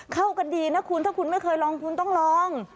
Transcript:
เข้ากันดีนะคุณถ้าคุณไม่เคยลองคุณต้องลอง